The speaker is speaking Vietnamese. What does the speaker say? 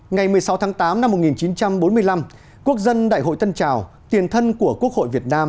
ngày một mươi sáu tháng tám năm một nghìn chín trăm bốn mươi năm quốc dân đại hội tân trào tiền thân của quốc hội việt nam